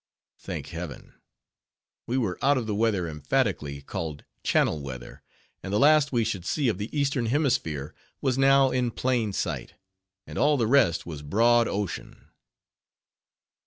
Thank heaven, we were out of the weather emphatically called "Channel weather," and the last we should see of the eastern hemisphere was now in plain sight, and all the rest was broad ocean.